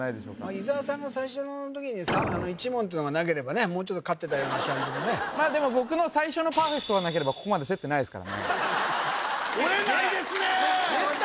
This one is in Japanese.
伊沢さんが最初の時に１問っていうのがなければねもうちょっと勝ってたような感じもねでも僕の最初のパーフェクトがなければここまで競ってないですからね絶対折れへんな！